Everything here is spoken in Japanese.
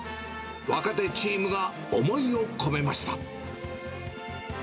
若手チームが思いを込めました。